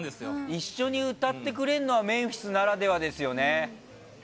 一緒に歌ってくれるのはメンフィスならではですよね。